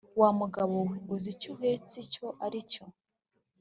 Wa mugabo we uzi icyo uhetse icyo ari cyo,